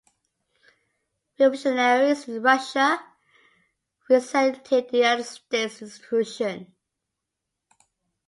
Revolutionaries in Russia resented the United States intrusion.